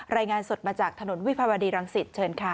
รายงานสดมาจากถนนวิภาวดีรังสิตเชิญค่ะ